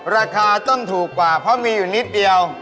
ราคาต้องถูกกว่าเพราะมีอยู่นิดเดียว